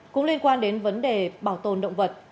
cũng liên quan đến vấn đề bảo tồn động vật